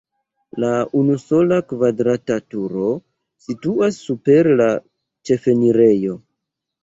La unusola kvadrata turo situas super la ĉefenirejo.